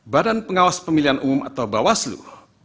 badan pengawas pemilihan umum atau bawaslu